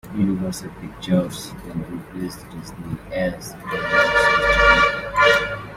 Universal Pictures then replaced Disney as DreamWorks' distributor.